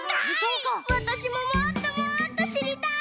わたしももっともっとしりたい！